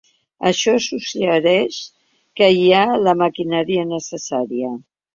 Això suggereix que hi ha la maquinària necessària.